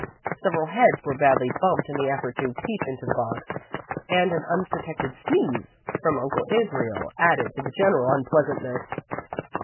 Several heads were badly bumped in the effort to peep into the box, and an unprotected sneeze from Uncle Israel added to the general unpleasantness.